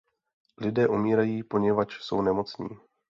Lidé umírají, poněvadž jsou nemocní.